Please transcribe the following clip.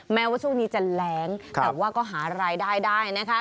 แม้ว่าช่วงนี้จะแรงแต่ว่าก็หารายได้ได้นะคะ